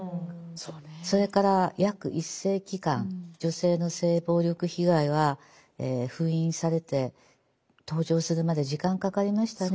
それから約１世紀間女性の性暴力被害は封印されて登場するまで時間かかりましたね。